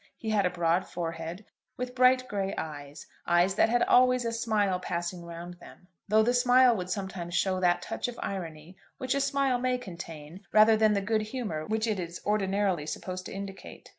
He had a broad forehead, with bright grey eyes, eyes that had always a smile passing round them, though the smile would sometimes show that touch of irony which a smile may contain rather than the good humour which it is ordinarily supposed to indicate.